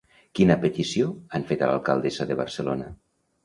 Quina petició han fet a l'alcaldessa de Barcelona?